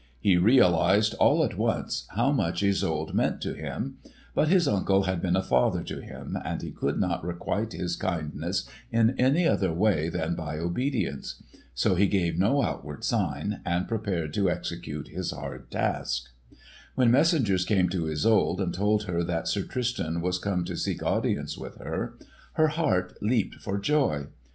He realised all at once how much Isolde meant to him. But his uncle had been a father to him, and he could not requite his kindness in any other way than by obedience. So he gave no outward sign, and prepared to execute his hard task. When messengers came to Isolde and told her that Sir Tristan was come to seek audience with her, her heart leaped for joy.